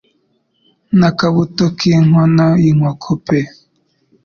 N'akabuto k'inkono y'inkoko pe